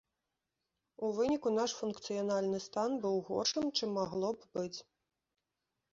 У выніку наш функцыянальны стан быў горшым, чым магло б быць.